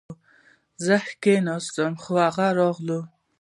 زه کښېناستم خو هغه راغله